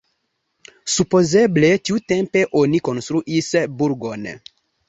Supozeble tiutempe oni konstruis burgon.